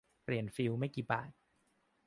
เปลี่ยนฟิวส์ไม่กี่บาท